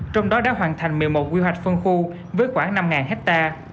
trong đó đã hoàn thành một mươi một quy hoạch phân khu với khoảng năm hectare